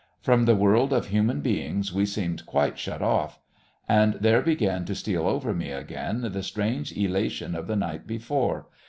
From the world of human beings we seemed quite shut off. And there began to steal over me again the strange elation of the night before....